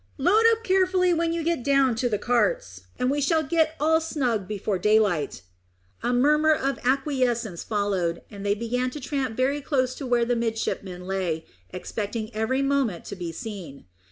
"Load up carefully when you get down to the carts, and we shall get all snug before daylight." A murmur of acquiescence followed, and they began to tramp very close to where the midshipman lay, expecting every moment to be seen.